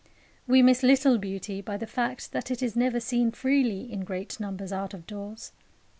We miss little beauty by the fact that it is never seen freely in great numbers out of doors.